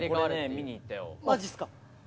マジっすか！